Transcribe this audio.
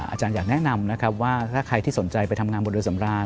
อาจารย์อยากแนะนำนะครับว่าถ้าใครที่สนใจไปทำงานบนเรือสำราญ